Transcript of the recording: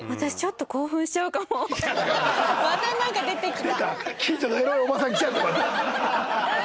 またなんか出てきた。